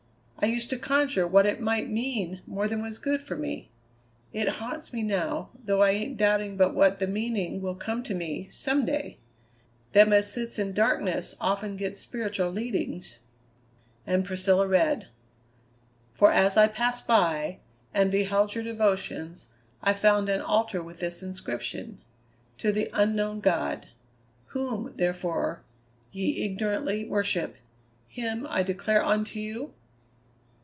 I used to conjure what it might mean more than was good for me. It haunts me now, though I ain't doubting but what the meaning will come to me, some day. Them as sits in darkness often gets spiritual leadings." And Priscilla read: "'For as I passed by, and beheld your devotions, I found an altar with this inscription, To the Unknown God. Whom, therefore, ye ignorantly worship, him I declare unto you?'"